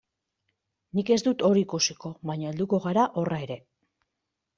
Nik ez dut hori ikusiko, baina helduko gara horra ere.